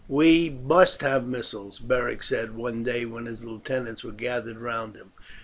"We must have missiles," Beric said one day when his lieutenants were gathered round him.